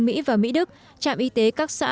mỹ và mỹ đức trạm y tế các xã